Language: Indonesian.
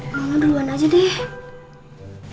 mama duluan aja deh